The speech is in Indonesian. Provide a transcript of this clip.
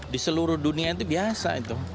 di seluruh dunia itu biasa itu